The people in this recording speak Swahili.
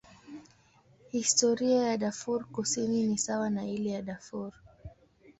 Historia ya Darfur Kusini ni sawa na ile ya Darfur.